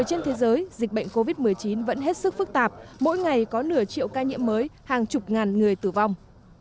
trên thế giới dịch bệnh covid một mươi chín vẫn hết sức phức tạp mỗi ngày có nửa triệu ca nhiễm mới hàng chục ngàn người tử vong